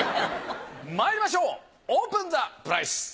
まいりましょうオープンザプライス！